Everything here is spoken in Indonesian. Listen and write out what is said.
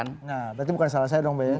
nah berarti bukan salah saya dong mbak ya